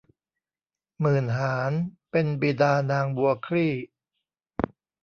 หมื่นหาญเป็นบิดานางบัวคลี่